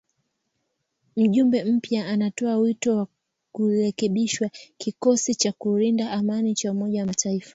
Mjumbe mpya anatoa wito wa kurekebishwa kikosi cha kulinda amani cha umoja wa mataifa